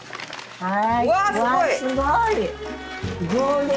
はい。